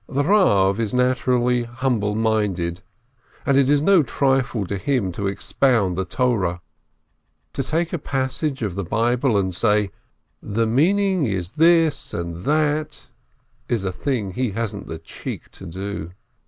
The Rav is naturally humble minded, and it is no trifle to him to expound the Torah. To take a passage of the Bible and say, The meaning is this and that, is a thing he hasn't the cheek to do.